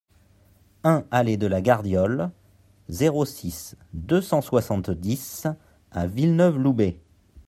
un allée de la Gardiole, zéro six, deux cent soixante-dix à Villeneuve-Loubet